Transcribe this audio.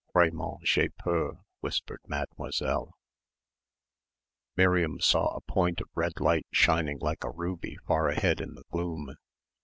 "Vraiment j'ai peur," whispered Mademoiselle. Miriam saw a point of red light shining like a ruby far ahead in the gloom.